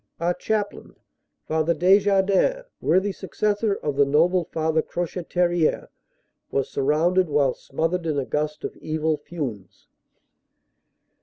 "Our Chaplain, Father Desjardins, worthy successor of the noble Father Crochetiere, was surrounded while smothered in a gust of evil fumes."